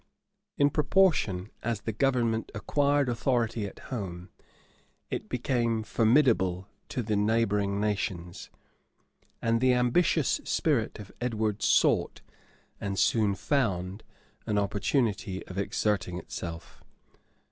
In proportion as the government acquired authority at home, it became formidable to the neighboring nations; and the ambitious spirit of Edward sought, and soon found, an opportunity of exerting itself.